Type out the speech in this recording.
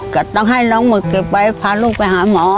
ก็ต้องให้น้องหมดเก็บไว้พาลูกไปหาหมอ